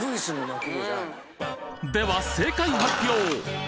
では正解発表！